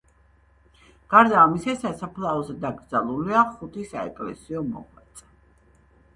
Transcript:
გარდა ამისა, სასაფლაოზე დაკრძალულია ხუთი საეკლესიო მოღვაწე.